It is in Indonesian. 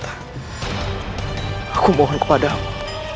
aku mohon kepadamu